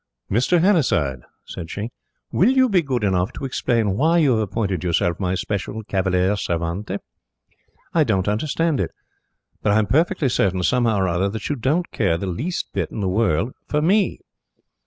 "Mr. Hannasyde," said she, "will you be good enough to explain why you have appointed yourself my special cavalier servente? I don't understand it. But I am perfectly certain, somehow or other, that you don't care the least little bit in the world for ME."